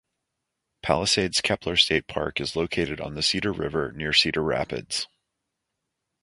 Palisades-Kepler State Park is located on the Cedar River near Cedar Rapids.